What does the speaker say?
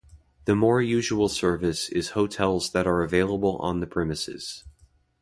The more usual service is hotels that are available on the premises.